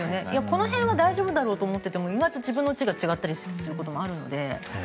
この辺は大丈夫だろうと思っていても意外と自分のうちが違うことがあったりするので。